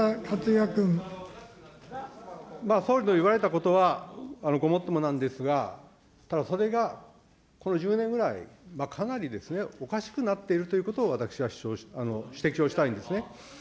総理の言われたことは、ごもっともなんですが、ただ、それがこの１０年ぐらい、かなりですね、おかしくなっているということを私は指摘をしたいんですね。